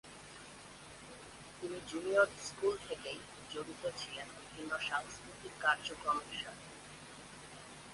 তিনি junior school থেকেই জড়িত ছিলেন বিভিন্ন সাংস্কৃতিক কার্যক্রমের সাথে।